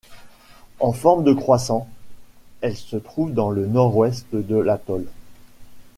En forme de croissant, elle se trouve dans le Nord-Ouest de l'atoll.